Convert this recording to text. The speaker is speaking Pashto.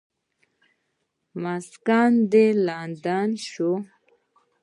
مسکن دې لندن شو.